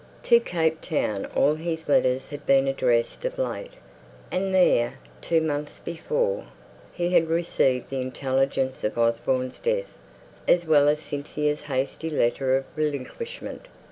To Cape Town all his letters had been addressed of late; and there, two months before, he had received the intelligence of Osborne's death, as well as Cynthia's hasty letter of relinquishment.